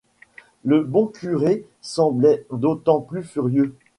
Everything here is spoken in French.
Le bon curé semblait d’autant plus furieux ;